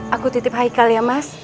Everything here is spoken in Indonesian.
aku titip hikal ya mas